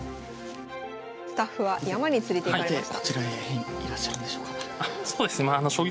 スタッフは山に連れていかれました。